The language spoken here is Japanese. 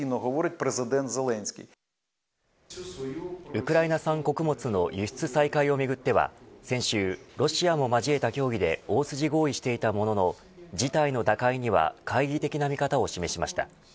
ウクライナ産穀物の輸出再開をめぐっては先週ロシアも交えた協議で大筋合意していたものの事態の打開には懐疑的な見方を示しました。